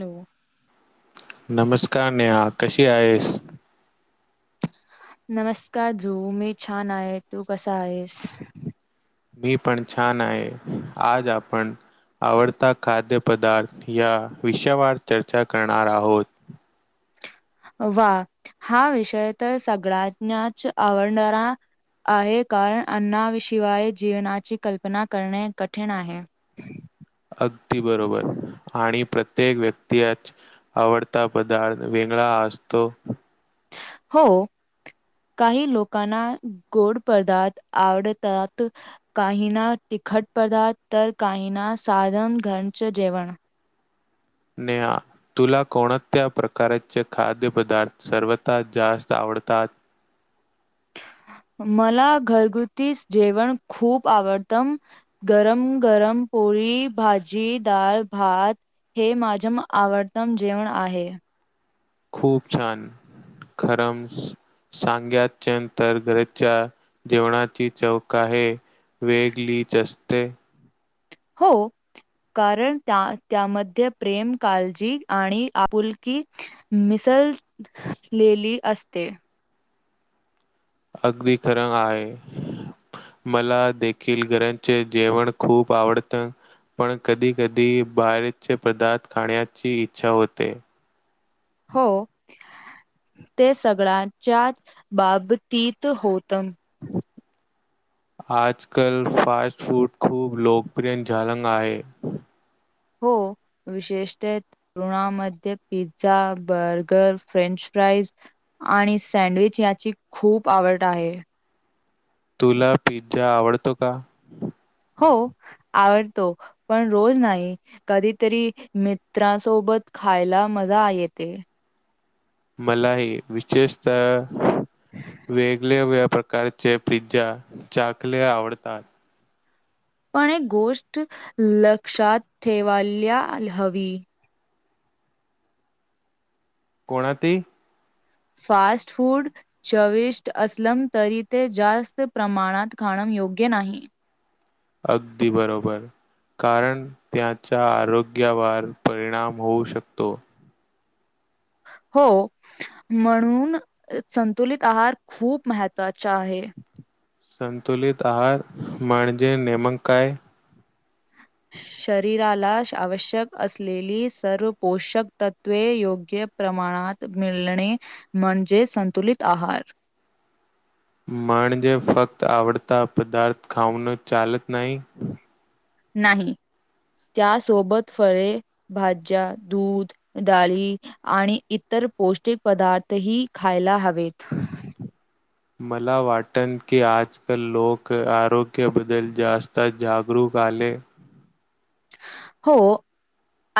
Hello? नमस्कार, नेहा कशी आहेस? नमस्कार जु, मी छान आहे, तू कसा आहेस? मी पण छान आहे, आज आपण आवडता खाद्यपदार्थ या विषयावर चर्चा करणार आहोत. वाहा! विषय तर सगळ्यांनाच आवडणारा आहे, कारण अन्नाशिवाय जीवनाची कल्पना करणे कठीण आहे. अगदी बरोबर आणि प्रत्येक व्यक्ती आवडता पदार्थ वेगळा असतो. हो, काही लोकांना गोड पदार्थ आवडतात, काहींना तिखट पदार्थ, तर काहीना साधन घरच जेवण नेहा तुला कोणत्या प्रकारचे खाद्यपदार्थ सर्वतां जास्त आवडतात. मला घरगुती जेवण खूप आवडतम, गरम गरम पोळी, भाजी, डाळ, भात, हे माझं आवडतम जेवण आहे. खूप छान, खरम सांग्याच्या तर घरच्या जेवणाची चौव आहे. वेगलीचस् अस ते. हो, कारण त्यामध्ये प्रेम काळजी आणि आपुलकी मिसळलेली असते. अगदी खरं आहे. मला देखील घरांचे जेवण खूप आवडत, पण कधी कधी बाहेरचे पदार्थ खाण्याची इच्छा होते. हो, ते सगळ्यांच्याच बाबतीत होतम. आजकाल फास्ट फूड खूप लोकप्रिय झालंग आहे. हो, विशेषतः तरुणामध्ये पिझ्झा, बर्गर, फ्रेंच फ्राईज आणि सॅण्डविच याची खूप आवड आहे. तुला पिझ्झा आवडतो का? हो, आवडतो पण रोज नाही. कधीतरी मित्रांसोबत खायला मजा येते. मला ही, विशेषत वेगळे व प्रकारचे पिझ्झा चाकले आवडतात पण एक गोष्ट लक्षात ठेवायला हवी कोणा ती? फास्ट फूड चविष्ट असलंम तरी ते जास्त प्रमाणात खाणं योग्य नाही. अगदी बरोबर, कारण त्याच्या आरोग्यावर परिणाम होऊ शकतो हो, म्हणून संतुलित आहार खूप महत्त्वाचा आहे. संतुलित आहार म्हणजे नेमक काय? शरीराला आवश्यक असलेली सर्व पोषक तत्त्वे योग्य प्रमाणात मिळणे म्हणजे संतुलित आहार म्हणजे फक्त आवडता पदार्थ खाऊन चालत नाही? नाही, त्यासोबत फळे, भाज्या, दूध, डाळी आणि इतर पौष्टिक पदार्थही खायला हवेत मला वाटन की आजकाल लोक आरोग्याबद्दल जास्त जागरूक आले हो,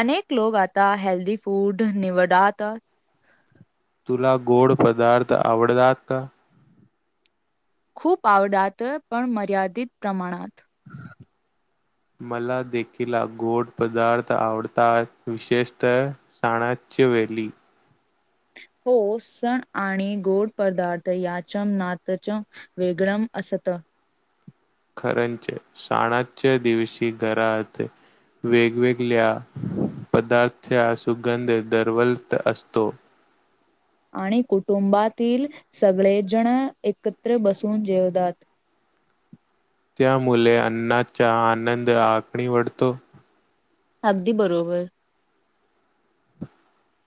अनेक लोक आता हेल्दी फूड निवडात तुला गोड पदार्थ आवडतात का? खूप आवडात पण मर्यादित प्रमाणात मला देखील गोड पदार्थ आवडतात विशेषतः साणाच्य वेली हो, सण आणि गोड पदार्थ याच नातच वेगळम असत खरंच साणाच्या दिवशी घरात वेगवेगळ्या पदार्था सुगंध दरवलत असतो आणि कुटुंबातील सगळेजण एकत्र बसून जेवतात त्यामुळेल अण्णाचा आनंद आखणी वढतो अगदी बरोबर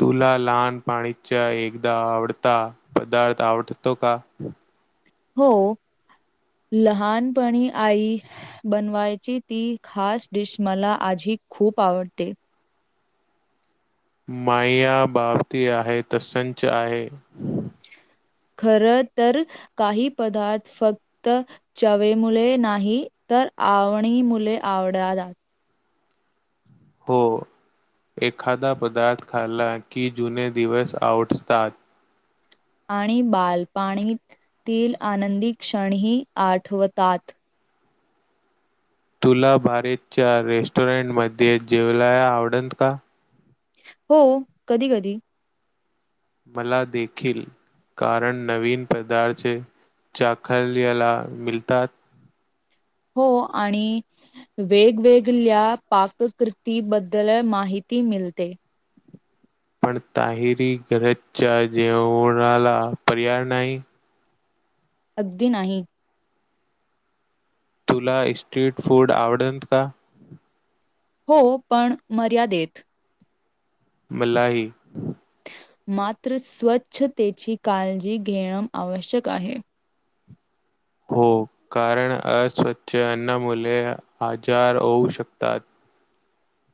तुला लहान पाणीच्या एकदा आवडता पदार्थ आवडतो का हो लहानपणी आई बनवायची ती खास डिश मला आजी खूप आवडते माया बापती आहे तर संच आहे खरं तर काही पदार्थ फक्त चवे मुले नाही तर आवणी मुले आवडतात हो एखादा पदार्थ खाल्ला की जुने दिवस आवटतात आणि बाल पाणीतील आनंदी क्षणही आठवतात तुला बारतच्या रेस्टॉरंट मध्ये जेवलाला आवडल का हो कधी कधी मला देखील, कारण नवीन पदार्थ चाखल्याला मिळतात हो आणि वेगवेगळ्या पाककृतीबद्दल माहिती मिळते पण ताहिरी घरच्या जेवणाला पर्याय नाही अगदी नाही तुला स्ट्रीट फूड आवडेल का? हो पण मर्यादेत मल्ला ही मात्र स्वच्छतेची काळजी घेणं आवश्यक आहे हो कारण अस्वच्छ अन्न मुले आजार होऊ शकतात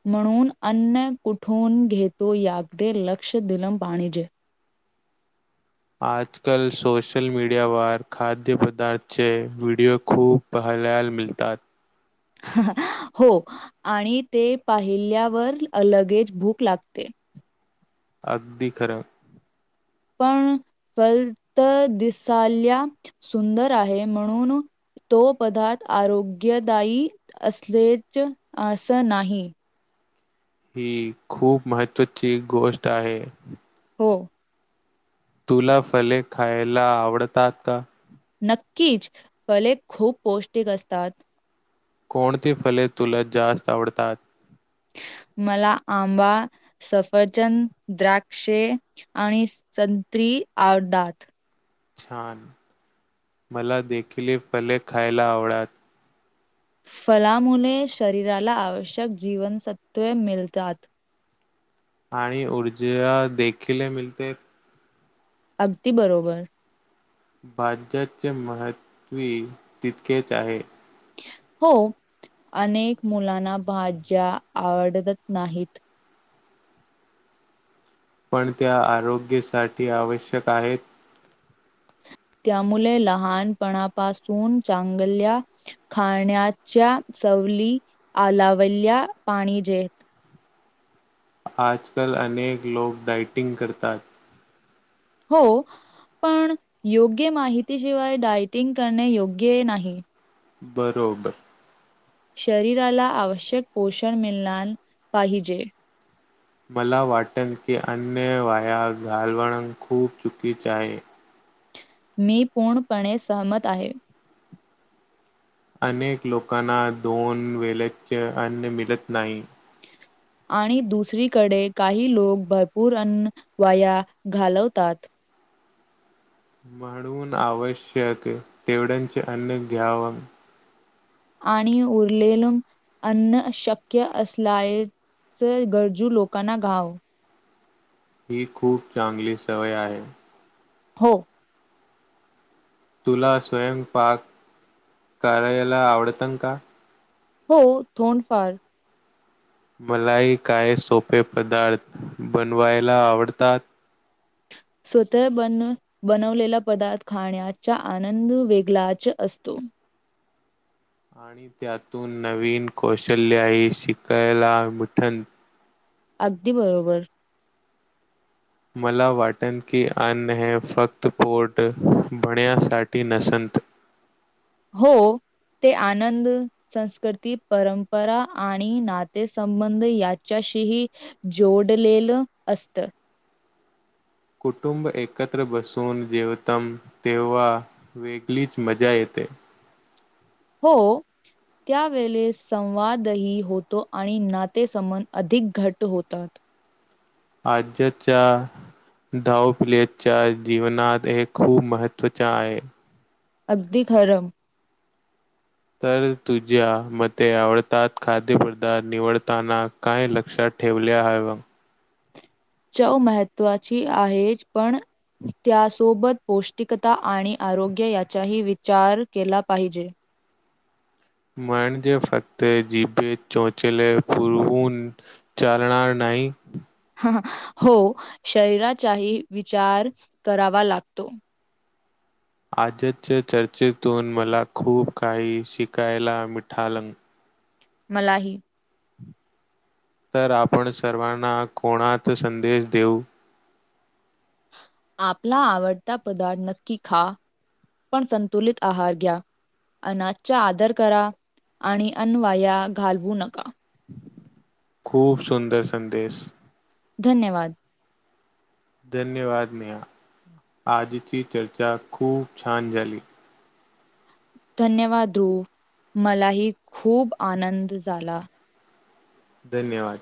म्हणून अन्न कुठून घेतो याकडे लक्ष दिलम पाणिजे आजकाल सोशल मीडियावर खाद्यपदार्थाचे व्हिडिओ खूप पहायलाल मिळतात हो आणि ते पाहिल्यावर लगेज भूक लागते अगदी खरं पण फलत दिसाला सुंदर आहे म्हणून तो पदार्थ आरोग्यदायी असलेच असं नाही ही खूप महत्त्वाची गोष्ट आहे हो तुला फले खायला आवडतात का? नक्कीच, फले खूप पौष्टिक असतात. कोणती फले तुला जास्त आवडतात? मला आंबा, सफरचंद, द्राक्षे आणि संत्री आवडात छान, मला देखील फले खायला आवडत फलामुळे शरीराला आवश्यक जीवनसत्त्वे मिळतात आणि ऊर्जा देखील मिळते. अगदी बरोबर भाज्याच महत्व तितकेच आहे हो अनेक मुलांना भाज्या आवडतत नाहीत. पण त्या आरोग्यासाठी आवश्यक आहेत त्यामुळेले लहानपणापासून चांगल्या खाण्याच्या सवली आलावल्या पाहीजेत आजकाल अनेक लोक डायटिंग करतात हो पण योग्य माहितीशिवाय डायटिंग करणे योग्य नाही बरोबर शरीराला आवश्यक पोषण मिळणार पाहिजे. मला वाटन की अन्य वाया घालवण खूप चुकीच आहे. मी पूर्णपणे सहमत आहे. अनेक लोकांना दोन वेल्याचे अन्न मिळत नाही आणि दुसरीकडे काही लोक भरपूर अन्न वाया घालवतात म्हणून आवश्यक तेवढ्यांचे अन्न घ्याव आणि उरलेल अन्न शक्य असल्याच गरजू लोकांना गाव ही खूप चांगली सवय आहे हो तुला स्वयंपाक करायला आवडतं न का हो धोंडफार मलाही काय सोपे पदार्थ बनवायला आवडतात स्वतः बनवलेला पदार्थ खाण्याचा आनंद वेगळाच असतो. आणि त्यातून नवीन कौशल्याही शिकायला मिठण अगदी बरोबर मला वाटण की अन्न हेै फक्त पोट भण्यासाठी नसंत हो ते आनंद संस्कृती परंपरा आणि नातेसंबंध याच्याशीही जोडलेलं असत कुटुंब एकत्र बसून जेवतम तेव्हा वेगळीच मजा येते हो त्यावेळे संवादही होतो आणि नातेसमन अधिक घट होतात आज्याच्या धावपिलेच्या जीवनात हे खूप महत्त्वाचे आहे अगदी खरम तर तुझ्या मते आवडतात खाद्यपदार्थ निवडताना काय लक्षात ठेवले ह बग चव महत्त्वाची आहे पण त्यासोबत पौष्टिकता आणि आरोग्य याचाही विचार केला पाहिजे. म्हणजे फक्त जिभेत चोचेले पुरवून चालणार नाही. हो शरीराचाही विचार करावा लागतो. आजच्या चर्चेतून मला खूप काही शिकायला मिठालंग मलाही तर आपण सर्वांना कोणाात संदेश देऊ आपला आवडता पदार्थ नक्की खा पण संतुलित आहार घ्या अनाजचा आदर करा आणि अन्वया घालवू नका. खूप सुंदर संदेश धन्यवाद. धन्यवाद नेहा आजची चर्चा खूप छान झाली धन्यवाद रु मलाही खूप आनंद झाला. धन्यवाद.